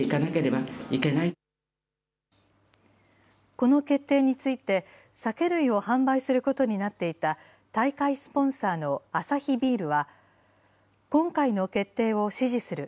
この決定について、酒類を販売することになっていた、大会スポンサーのアサヒビールは、今回の決定を支持する。